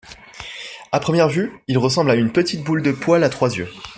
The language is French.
À première vue, il ressemble à une petite boule de poils à trois yeux.